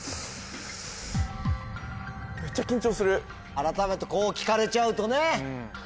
改めてこう聞かれちゃうとね。